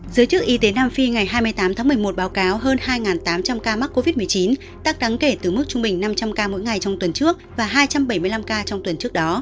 giới chức y tế nam phi ngày hai mươi tám tháng một mươi một báo cáo hơn hai tám trăm linh ca mắc covid một mươi chín tăng đáng kể từ mức trung bình năm trăm linh ca mỗi ngày trong tuần trước và hai trăm bảy mươi năm ca trong tuần trước đó